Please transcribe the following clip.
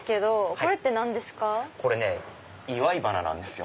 これね祝い花なんですよ。